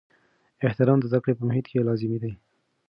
احترام د زده کړې په محیط کې لازمي دی.